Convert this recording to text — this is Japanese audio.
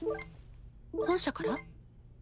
本社から？